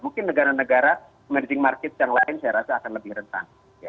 mungkin negara negara emerging market yang lain saya rasa akan lebih rentan